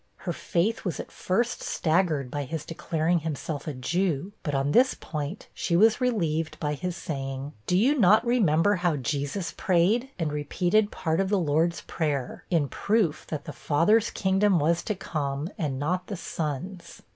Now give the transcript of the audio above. Her faith was at first staggered by his declaring himself a Jew; but on this point she was relieved by his saying, 'Do you not remember how Jesus prayed?' and repeated part of the Lord's Prayer, in proof that the Father's kingdom was to come, and not the Son's.